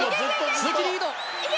鈴木リード！